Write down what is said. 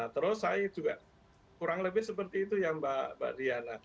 terus saya juga kurang lebih seperti itu ya mbak diana